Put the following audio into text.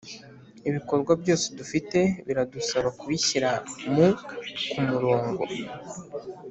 Ibikorwa byose dufite biradusaba kubishyira mu ku murongo